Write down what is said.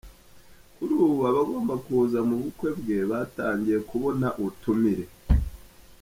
Kuri ubu abagomba kuza mu bukwe bwe batangiye kubona ubutumire.